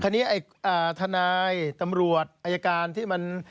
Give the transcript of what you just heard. คราวนี้อ่าธนายตำรวจอัยการที่มัน